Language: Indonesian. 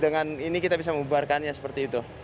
dengan ini kita bisa membubarkannya seperti itu